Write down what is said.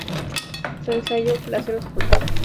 Su ensayo "Placeres ocultos.